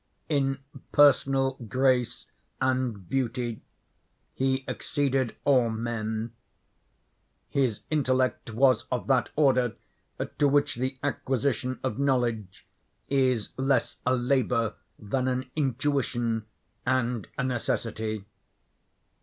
In personal grace and beauty he exceeded all men. His intellect was of that order to which the acquisition of knowledge is less a labor than an intuition and a necessity.